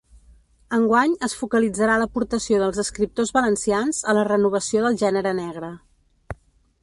Enguany es focalitzarà l’aportació dels escriptors valencians a la renovació del gènere negre.